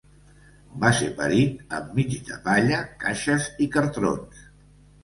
Va ser parit enmig de palla, caixes i cartrons.